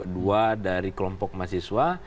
dua dari kelompok mahasiswa